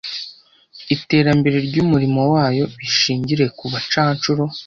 ’iterambere ry’umurimo wayo bishingire ku bucancuro.